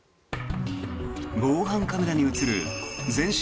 防犯カメラに映る全身